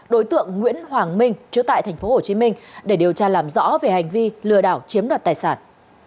đối tượng nguyễn hoàng minh chủ tại tp hcm để điều tra làm rõ về hành vi lừa đảo chiếm đoạt tài sản